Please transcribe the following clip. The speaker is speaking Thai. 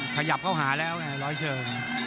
ขยับเข้าหาแล้วไงร้อยเชิง